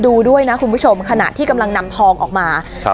แล้วก็ไปซ่อนไว้ในโครงเหล็กในคานหลังคาของโรงรถอีกทีนึง